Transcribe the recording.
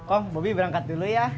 oh bobi berangkat dulu ya